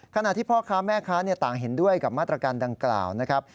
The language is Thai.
ขณะที่พ่อค้าแม่ค้าต่างเห็นด้วยกับมาตรการดังกล่าวนะครับ